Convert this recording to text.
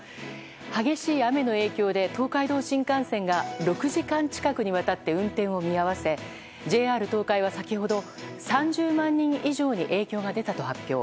激しい雨の影響で東海道新幹線が６時間近くにわたって運転を見合わせＪＲ東海は先ほど３０万人以上に影響が出たと発表。